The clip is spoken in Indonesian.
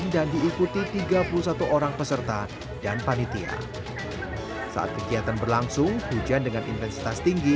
diikuti tiga puluh satu orang peserta dan panitia saat kegiatan berlangsung hujan dengan intensitas tinggi